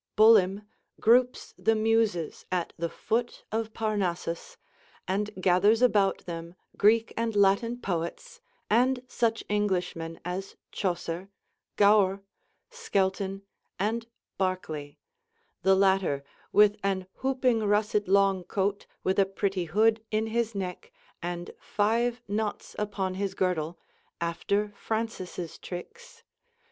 Bullim groups the Muses at the foot of Parnassus, and gathers about them Greek and Latin poets, and such Englishmen as Chaucer, Gower, Skelton, and Barclay, the latter "with an hoopyng russet long coate, with a pretie hood in his necke, and five knottes upon his girdle, after Francis's tricks.